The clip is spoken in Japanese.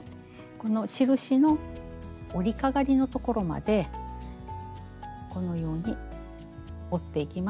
この印の織りかがりのところまでこのように織っていきます。